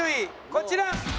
こちら。